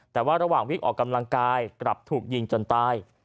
แต่ว่าระหว่างวิ่งออกกำลังกายกลับถูกยิงจนตาย